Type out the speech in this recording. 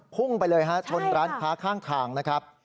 พุ่งไปเลยฮะชนร้านค้าข้างทางนะครับ